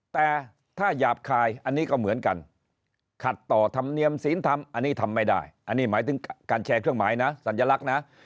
แต่ถ้าหยาบคายอันนี้ก็เหมือนกันขัดต่อธรรมเนียมศีลธรรมอันนี้ทำไม่ได้อันนี้หมายถึงการแชร์เครื่องหมายนะสัญลักษณ์นะ